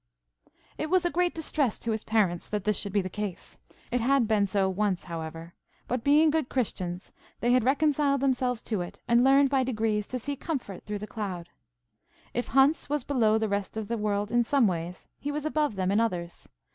It was a great distress to his parents that this should be the case–it had been so once, however. But being good Christians, they had reconciled themselves to it, and learned by degrees, to see comfort through the cloud. If Hans was below the rest of the world in some ways, he was above them in others.